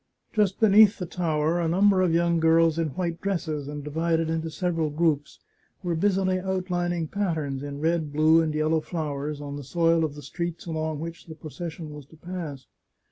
Just beneath the tower a num ber of young girls in white dresses, and divided into several groups, were busily outlining patterns in red, blue, and yellow flowers on the soil of the streets along which the procession was to pass.